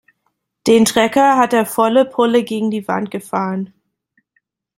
Den Trecker hat er volle Pulle gegen die Wand gefahren.